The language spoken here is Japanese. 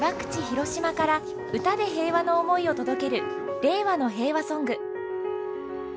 広島から歌で平和の思いを届ける「れいわのへいわソング」。